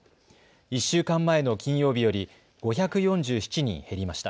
１週間前の金曜日より５４７人減りました。